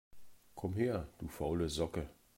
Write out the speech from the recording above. Komm her, du faule Socke!